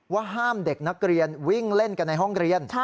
ว่าห้ามเด็กนักเรียนวิ่งเล่นกันในห้องเรียน